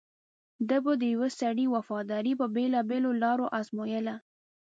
ده به د یوه سړي وفاداري په بېلابېلو لارو ازمویله.